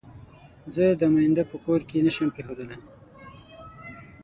زه دا مينده په کور کې نه شم پرېښودلای.